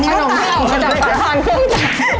มันต่างกับขนเครื่องจักร